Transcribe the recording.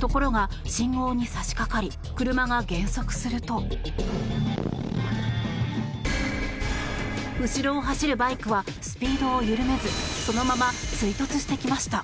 ところが、信号に差し掛かり車が減速すると後ろを走るバイクはスピードを緩めずそのまま追突してきました。